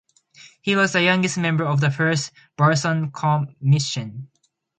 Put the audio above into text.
He was the youngest member of the first Barroso Commission.